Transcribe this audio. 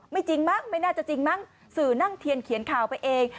จริงมั้งไม่น่าจะจริงมั้งสื่อนั่งเทียนเขียนข่าวไปเอง